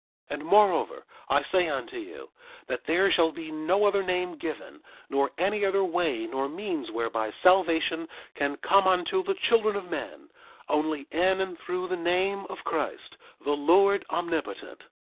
3:17 And moreover, I say unto you, that there shall be no other name given nor any other way nor means whereby salvation can come unto the children of men, only in and through the name of Christ, the Lord Omnipotent.